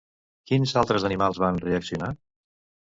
Quins altres animals van reaccionar?